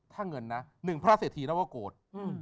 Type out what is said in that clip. ถ้าเงินนะหนึ่งพระเศรษฐีนวโกรธ